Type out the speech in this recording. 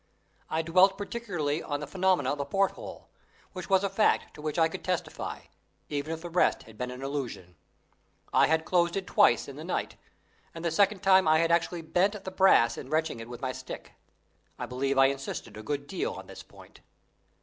I dwelt particularly on the phenomenon of the porthole, which was a fact to which I could testify, even if the rest had been an illusion. I had closed it twice in the night, and the second time I had actually bent the brass in wrenching it with my stick. I believe I insisted a good deal on this point.